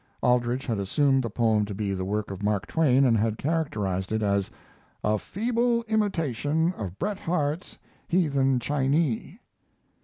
Aldrich had assumed the poem to be the work of Mark Twain, and had characterized it as "a feeble imitation of Bret Harte's 'Heathen Chinee.'"